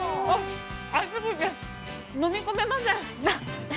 熱くて飲み込めません。